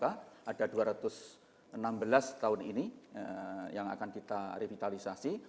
ada dua ratus enam belas tahun ini yang akan kita revitalisasi